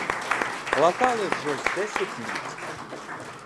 Латали вже з десять літ.